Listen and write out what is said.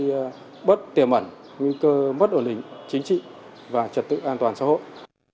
gây bất tiềm ẩn nguy cơ mất ổn định chính trị và trật tự an toàn xã hội